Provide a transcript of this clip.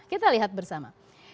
kita lihat bersama